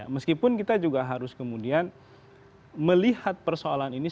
meskipun kita juga harus kemudian melihat persoalan ini